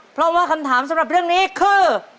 เพราะว่าคำถามสำหรับเรื่องนี้คือ